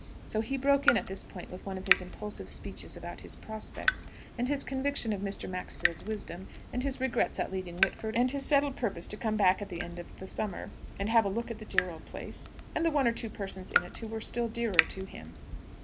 So he broke in at this point with one of his impulsive speeches about his prospects, and his conviction of Mr. Maxfield's wisdom, and his regrets at leaving Whitford, and his settled purpose to come back at the end of the summer and have a look at the dear old place, and the one or two persons in it who were still dearer to him.